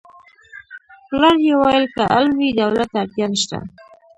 پلار یې ویل که علم وي دولت ته اړتیا نشته